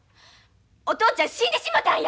お父ちゃん死んでしもたんや！